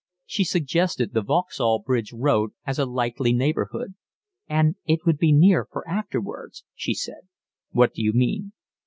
She suggested the Vauxhall Bridge Road as a likely neighbourhood. "And it would be near for afterwards," she said. "What do you mean?"